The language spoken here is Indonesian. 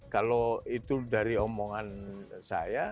kalau itu dari omongan saya